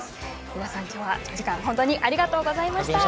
皆さん、今日はありがとうございました。